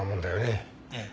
ええ。